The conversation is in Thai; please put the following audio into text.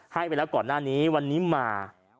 ให้ไปแล้วก่อนหน้านี้วันนี้มา